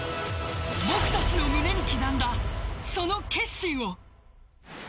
僕たちの胸に刻んだその決心を。